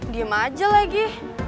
diam aja lagi